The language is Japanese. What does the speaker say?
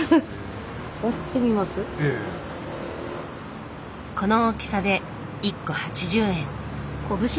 この大きさで一個８０円。